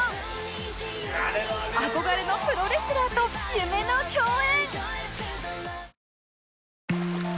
憧れのプロレスラーと夢の共演！